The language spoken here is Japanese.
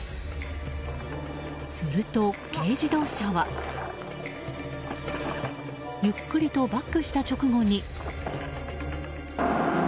すると、軽自動車はゆっくりとバックした直後に。